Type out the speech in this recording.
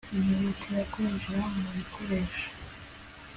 yihutira kwinjira mu bikoresho,